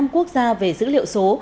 năm quốc gia về dữ liệu số